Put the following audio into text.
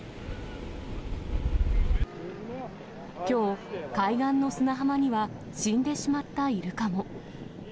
きょう、海岸の砂浜には、死んでしまったイルカも。